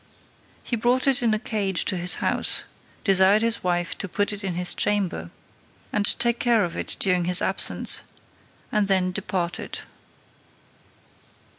He brought it in a cage to his house, desired his wife to put it in his chamber, and take care of it during his absence, and then departed.